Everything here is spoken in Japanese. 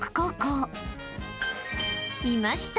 ［いました！